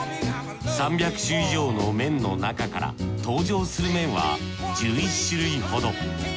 ３００種以上の麺のなかから登場する麺は１１種類ほど。